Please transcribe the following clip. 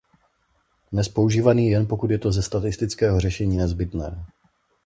Dnes používaný jen pokud je to ze statického řešení nezbytné.